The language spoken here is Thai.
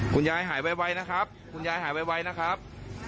หายไวนะครับคุณยายหายไวนะครับ